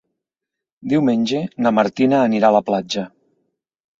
Diumenge na Martina anirà a la platja.